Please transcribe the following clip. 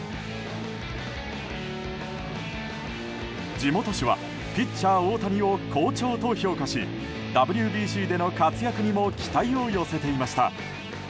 地元紙はピッチャー大谷を好調と評価しＷＢＣでの活躍にも期待を寄せていました。